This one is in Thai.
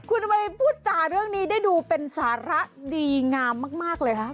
คุณไปพูดจาเรื่องนี้ได้ดูเป็นสาระดีงามมากเลยคะ